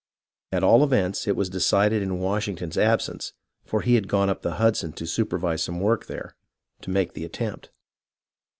At all events, it was decided in Washington's absence, — for he had gone up the Hudson to supervise some work there, — to make the attempt.